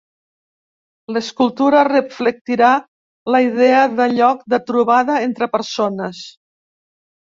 L'escultura reflectirà la idea de lloc de trobada entre persones.